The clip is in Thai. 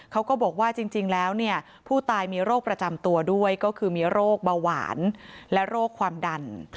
เขาก็บอกว่าจริงแล้วเนี่ยผู้ตายมีโรคประจำตัวด้วยก็คือมีโรคเบาหวานและโรคความดัน